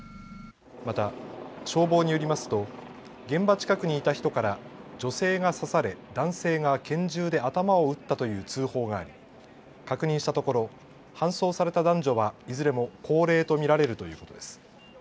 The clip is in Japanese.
また、消防によりますと現場近くにいた人から女性が刺され男性が拳銃で頭を撃ったという通報があり確認したところ搬送された男女はいずれも高齢と見られるということです。